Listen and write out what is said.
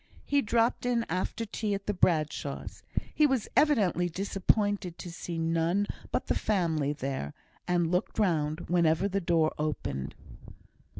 He dropped in after tea at the Bradshaws'; he was evidently disappointed to see none but the family there, and looked round whenever the door opened.